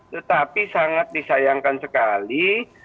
tetapi sangat disayangkan sekali